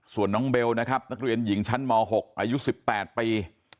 ส่วนน้องเบลนะครับนักเรียนหญิงชั้นม๖อายุ๑๘ปี